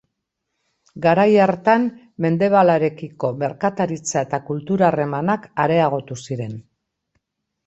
Garai hartan mendebalarekiko merkataritza eta kultura harremanak areagotu ziren.